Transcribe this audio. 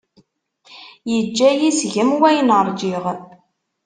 Yeǧǧa-yi seg-m wayen ṛǧiɣ.